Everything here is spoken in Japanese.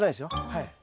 はい。